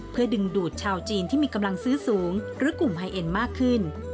เพื่อดึงดูดชาวจีนที่มีกำลังซื้อสูงหรือกลุ่มไฮเอ็นมากขึ้น